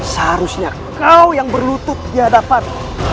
seharusnya kau yang berlutut di hadapan